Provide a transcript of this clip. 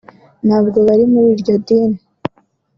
ntabwo bari muri iryo dini